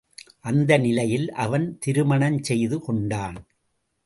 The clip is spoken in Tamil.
அந்த நிலையில் அவன் திருமணம் செய்து கொண்டான்.